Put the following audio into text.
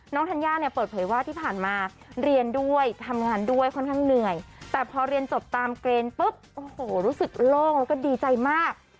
ธัญญาเนี่ยเปิดเผยว่าที่ผ่านมาเรียนด้วยทำงานด้วยค่อนข้างเหนื่อยแต่พอเรียนจบตามเกรนปุ๊บโอ้โหรู้สึกโล่งแล้วก็ดีใจมาก